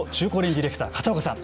ディレクター片岡さん。